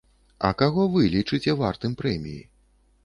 А каго вы лічыце вартым прэміі?